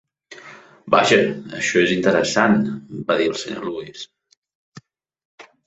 "Vaja, això és interessant," va dir el Sr. Lewis.